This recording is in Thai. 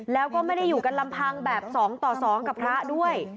แล้วก็ไม่ได้อยู่กันลำพังแบบ๒ต่อ๒กับพระด้วย